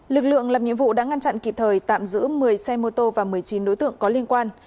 lực lượng làm nhiệm vụ đã ngăn chặn kịp thời tạm giữ một mươi xe mô tô và một mươi chín đối tượng có liên quan